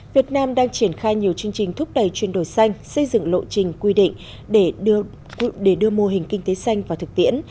việt nam đang triển khai nhiều chương trình thúc đẩy chuyển đổi xanh xây dựng lộ trình quy định để đưa mô hình kinh tế xanh vào thực tiễn